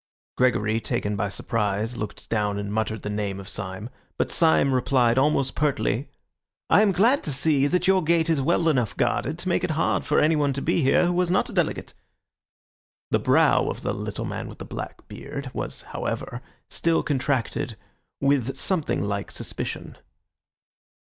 Gregory, taken by surprise, looked down and muttered the name of Syme; but Syme replied almost pertly— "I am glad to see that your gate is well enough guarded to make it hard for anyone to be here who was not a delegate." The brow of the little man with the black beard was, however, still contracted with something like suspicion.